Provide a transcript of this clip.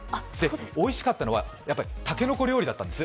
おいしかったのは、やっぱり竹の子料理だったんです。